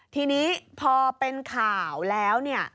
ทีนี้พอเป็นข่าวแล้ว